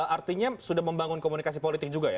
artinya sudah membangun komunikasi politik juga ya